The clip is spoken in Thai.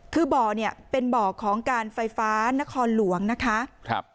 คือบ่อเนี่ยเป็นบ่อของการไฟฟ้านครหลวงนะคะครับ